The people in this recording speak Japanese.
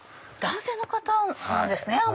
男性の方なんですね。